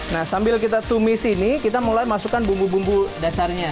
nah sambil kita tumis ini kita mulai masukkan bumbu bumbu dasarnya